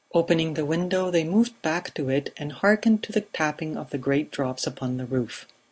Opening the window they moved back to it and hearkened to the tapping of the great drops upon the roof.